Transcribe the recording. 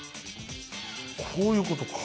こういうことか。